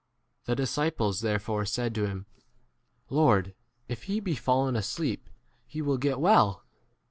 The R disciples therefore said to him, Lord, if he be 13 fallen asleep he will get well.